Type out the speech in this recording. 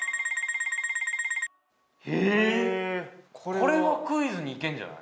これもクイズにいけんじゃない？